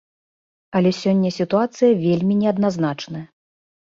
Але сёння сітуацыя вельмі неадназначная.